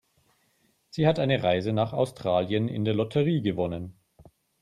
Sie hat eine Reise nach Australien in der Lotterie gewonnen.